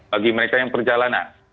bagi mereka yang perjalanan